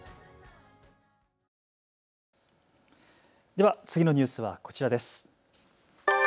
では、次のニュースはこちらです。